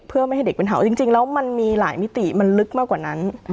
เพื่อไม่ให้เด็กเป็นเห่าจริงแล้วมันมีหลายมิติมันลึกมากกว่านั้น